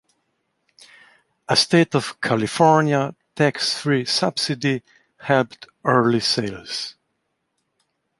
A State of California tax-free subsidy helped early sales.